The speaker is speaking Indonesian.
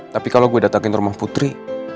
tapi kalo gua datangin rumah putri